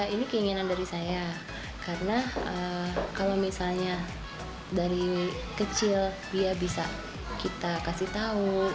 ini keinginan dari saya karena kalau misalnya dari kecil dia bisa kita kasih tahu